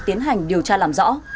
tiến hành điều tra làm rõ